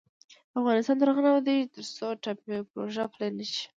افغانستان تر هغو نه ابادیږي، ترڅو ټاپي پروژه پلې نشي.